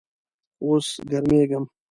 اوس ګرمیږم